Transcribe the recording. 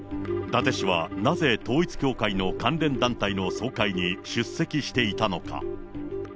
伊達氏はなぜ統一教会の関連団体の総会に出席していたのか。